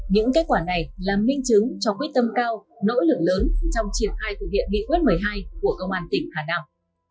những kết quả này là minh chứng cho quyết tâm cao nỗ lực lớn trong triển khai thực hiện nghị quyết một mươi hai của công an tỉnh hà nam